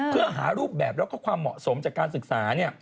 เพื่อหารูปแบบแล้วก็ความเหมาะสมจากการศึกษา